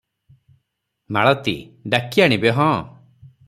ମାଳତୀ- ଡାକି ଆଣିବେ ହଁ!